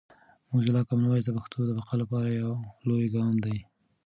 موزیلا کامن وایس د پښتو د بقا لپاره یو لوی ګام دی.